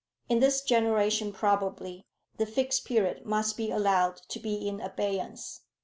In this generation probably, the Fixed Period must be allowed to be in abeyance."